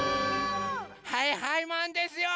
はいはいマンですよ！